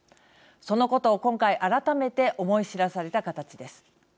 そのことを、今回改めて思い知らされた形です。